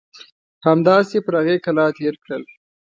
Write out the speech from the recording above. همداسې یې پر هغې کلا تېر کړل.